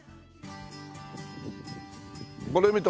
これ見て。